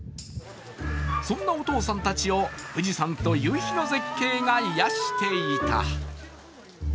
そんなお父さんたちを富士山と夕日の絶景が癒していた。